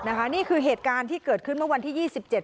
ห้านะคะนี่คือเหตุการณ์ที่เกิดขึ้นเมื่อวันที่ยี่สิบเจ็ด